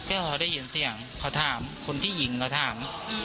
เราได้ยินเสียงเค้าถามคนที่หญิงเราถาม